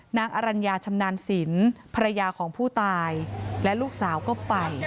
อรัญญาชำนาญสินภรรยาของผู้ตายและลูกสาวก็ไป